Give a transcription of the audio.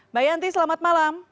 mbak yanti selamat malam